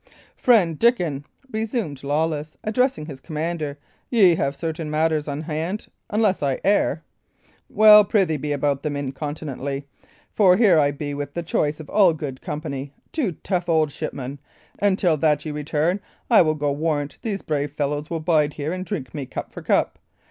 "Friend Dickon," resumed Lawless, addressing his commander, "ye have certain matters on hand, unless I err? Well, prithee be about them incontinently. For here I be with the choice of all good company, two tough old shipmen; and till that ye return I will go warrant these brave fellows will bide here and drink me cup for cup.